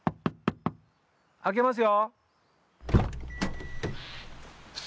開けますよ？